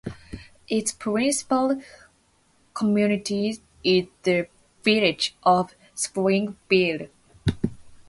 Its principal community is the village of Springville.